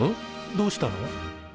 どうしたの？